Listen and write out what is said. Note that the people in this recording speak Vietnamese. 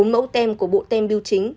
bốn mẫu tem của bộ tem biêu chính